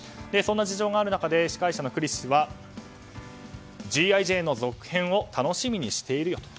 そんな事情がある中で司会者のクリス氏は「Ｇ．Ｉ．ジェーン」の続編を楽しみにしているよ